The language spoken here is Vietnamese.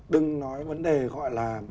đừng nói vấn đề gọi là